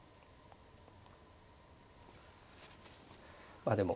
まあでも。